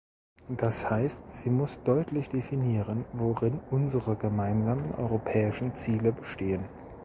Das heißt, sie muss deutlich definieren, worin unsere gemeinsamen europäischen Ziele bestehen.